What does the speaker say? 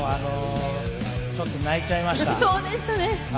ちょっと泣いちゃいました。